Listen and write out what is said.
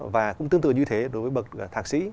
và cũng tương tự như thế đối với bậc thạc sĩ